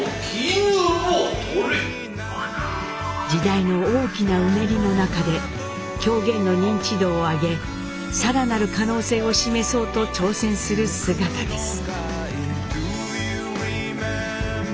時代の大きなうねりの中で狂言の認知度をあげ更なる可能性を示そうと挑戦する姿です。